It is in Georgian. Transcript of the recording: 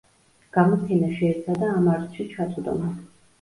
გამოფენა შეეცადა ამ არსში ჩაწვდომას.